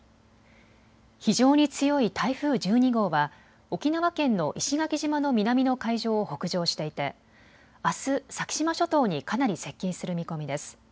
非常に強い台風１２号は沖縄県の石垣島の南の海上を北上していてあす、先島諸島にかなり接近する見込みです。